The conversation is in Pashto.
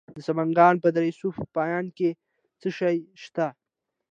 د سمنګان په دره صوف پاین کې څه شی شته؟